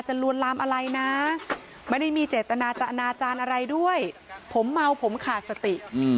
ลวนลามอะไรนะไม่ได้มีเจตนาจะอนาจารย์อะไรด้วยผมเมาผมขาดสติ